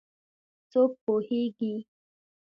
څوک پوهیږېي